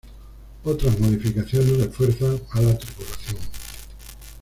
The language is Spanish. Otras modificaciones refuerzan a la tripulación.